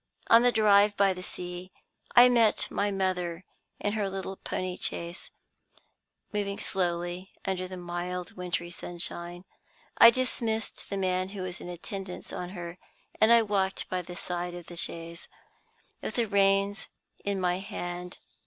On the drive by the sea I met my mother, in her little pony chaise, moving slowly under the mild wintry sunshine. I dismissed the man who was in attendance on her, and walked by the side of the chaise, with the reins in my hand.